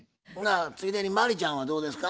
ついでに真理ちゃんはどうですか？